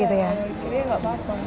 ya mikirnya tidak apa apa